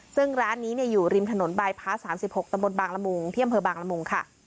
ซึ่งร้านนี้เนี่ยอยู่ริมถนนใบพระสามสิบหกตะบนบางละมุงเที่ยมเผลอบางละมุงค่ะ